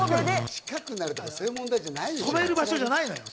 近くなるとかそういうことじゃない。